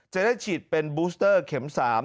จะได้ฉีดเป็นบูสเตอร์เข็ม๓